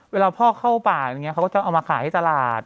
เวลาพ่อเข้าป่าอย่างนี้เขาก็จะเอามาขายให้ตลาด